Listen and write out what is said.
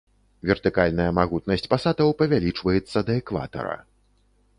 Вертыкальная магутнасць пасатаў павялічваецца да экватара.